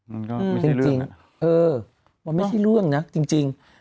มันก็ไม่ใช่จริงเออมันไม่ใช่เรื่องนะจริง